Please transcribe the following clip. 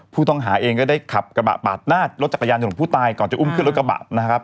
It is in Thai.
ผู้ต้องหาเองก็ได้ขับกระบะปาดหน้ารถจักรยานยนต์ของผู้ตายก่อนจะอุ้มขึ้นรถกระบะนะครับ